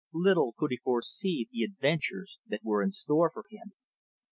Little could he foresee the adventures that were in store for him.